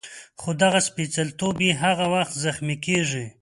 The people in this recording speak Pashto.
خو دغه سپېڅلتوب یې هغه وخت زخمي کېږي.